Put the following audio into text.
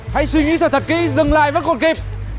hãy suy nghĩ thật thật kỹ dừng lại với cuộc kịp